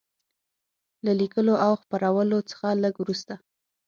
له لیکلو او خپرولو څخه لږ وروسته.